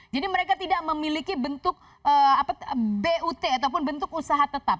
jadi mereka tidak memiliki bentuk but ataupun bentuk usaha tetap